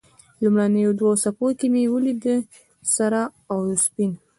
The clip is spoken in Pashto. د لومړیو دوو څېرې مې یې ولیدې، سره او سپین.